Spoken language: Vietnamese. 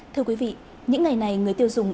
thưa quý vị những ngày này người tiêu dùng